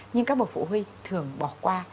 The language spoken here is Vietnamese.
nhưng các bậc phụ huynh thường bỏ qua